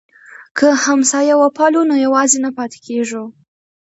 که همسایه وپالو نو یوازې نه پاتې کیږو.